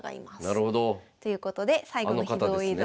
なるほど。ということで最後の秘蔵映像は。